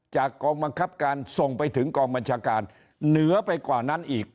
กองบังคับการส่งไปถึงกองบัญชาการเหนือไปกว่านั้นอีก